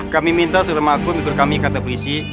kami minta saudara markum ikut kami kata polisi